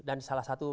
dan salah satu